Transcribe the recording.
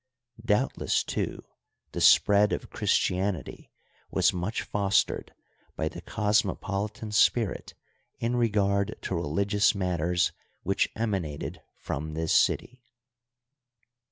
Doubtless, too, the spread of Chris tianity was much fostered bv the cosmopolitan spirit in regard to religious matters which emanated from this city.